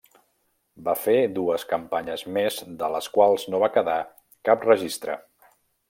Va fer dues campanyes més de les quals no va quedar cap registre.